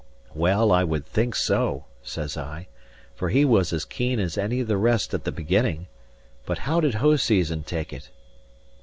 "Well, I would think so," says I; "for he was as keen as any of the rest at the beginning. But how did Hoseason take it?"